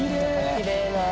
きれいだ。